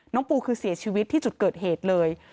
ปูคือเสียชีวิตที่จุดเกิดเหตุเลย